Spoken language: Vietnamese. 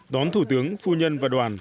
đón thủ tướng phu nhân và đoàn